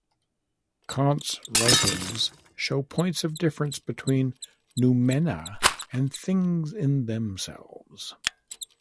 Kant's writings show points of difference between noumena and things-in-themselves.